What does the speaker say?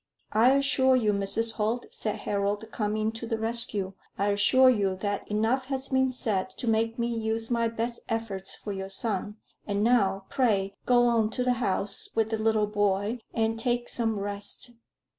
"I assure you, Mrs. Holt," said Harold, coming to the rescue "I assure you that enough has been said to make me use my best efforts for your son. And now, pray, go on to the house with the little boy and take some rest.